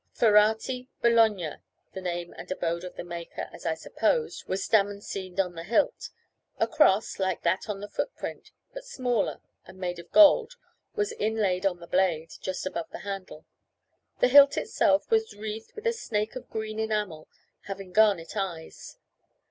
"Ferrati, Bologna," the name and abode of the maker, as I supposed, was damascened on the hilt. A cross, like that on the footprint, but smaller, and made of gold, was inlaid on the blade, just above the handle. The hilt itself was wreathed with a snake of green enamel, having garnet eyes.